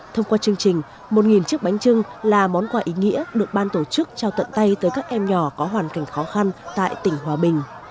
thông qua chương trình một chiếc bánh trưng là món quà ý nghĩa được ban tổ chức trao tận tay tới các em nhỏ có hoàn cảnh khó khăn tại tỉnh hòa bình